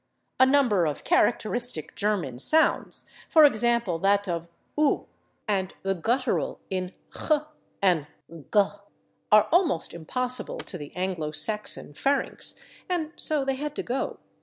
A number of characteristic German sounds for example, that of /ü/ and the guttural in /ch/ and /g/ are almost impossible to the Anglo Saxon pharynx, and so they had to go.